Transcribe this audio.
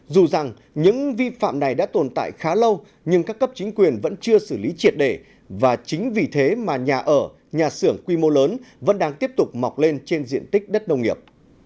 dù rằng những vi phạm này đã tồn tại khá lâu nhưng các cấp chính quyền vẫn chưa xử lý triệt để và chính vì thế mà nhà ở nhà xưởng quy mô lớn vẫn đang tiếp tục mọc lên trên diện tích đất nông nghiệp